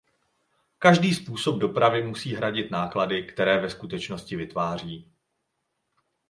Každý způsob dopravy musí hradit náklady, které ve skutečnosti vytváří.